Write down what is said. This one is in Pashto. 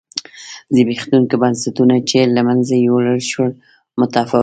زبېښونکي بنسټونه چې له منځه یووړل شول متفاوت و.